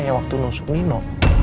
yang waktu nusuk nino